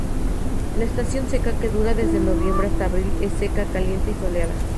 La estación seca, que dura desde noviembre hasta abril, es seca, caliente y soleada.